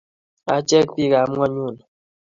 Achek biikab ngonyuni